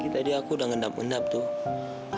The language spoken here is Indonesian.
tadi aku udah ngedap ngedap tuh